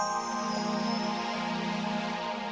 angkanya rambut raun ini bukan keanganan buddha buku saya